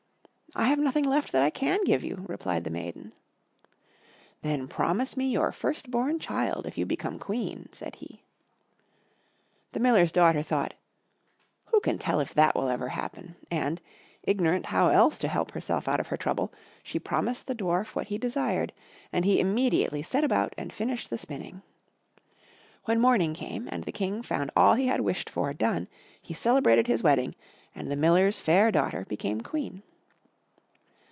"I have nothing left that I can give you," replied the maiden. "Then promise me your first born child if you become Queen," said he. The Miller's daughter thought, "Who can tell if that will ever happen?" and, ignorant how else to help herself out of her trouble, she promised the Dwarf what he desired; and he immediately set about and finished the spinning. When morning came, and the King found all he had wished for done, he celebrated his wedding, and the Miller's fair daughter became Queen.